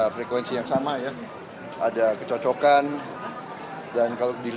kok bisa dalam slideshow com